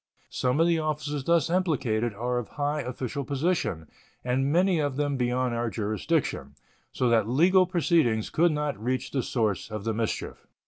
Some of the officers thus implicated are of high official position, and many of them beyond our jurisdiction, so that legal proceedings could not reach the source of the mischief.